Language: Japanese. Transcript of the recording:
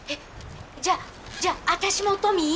じゃあじゃあ私もトミー？」。